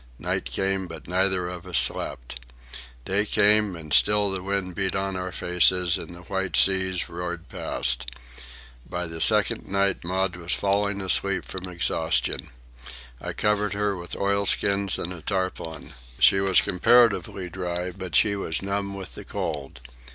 Night came, but neither of us slept. Day came, and still the wind beat on our faces and the white seas roared past. By the second night Maud was falling asleep from exhaustion. I covered her with oilskins and a tarpaulin. She was comparatively dry, but she was numb with the cold.